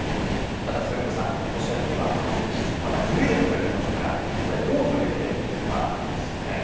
ただ、末延さん年明けには感染者数がまた増えるといわれていますからこれどう広げていくかですよね。